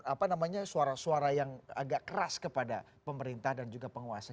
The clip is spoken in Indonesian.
apa namanya suara suara yang agak keras kepada pemerintah dan juga penguasa